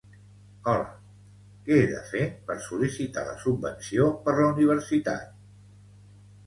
Hola, què he de fer per sol·licitar la subvenció per la universitat?